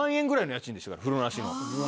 風呂なしの。